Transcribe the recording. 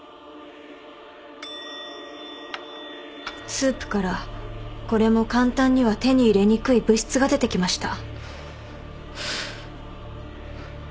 スープからこれも簡単には手に入れにくい物質が出てきました。